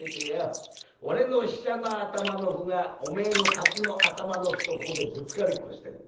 俺の飛車の頭の歩がおめえの角の頭の歩とここでぶつかりっこしてんだ。